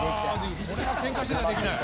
これはけんかしてちゃできない。